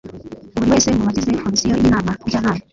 buri wese mu bagize komisiyo y’inama njyanama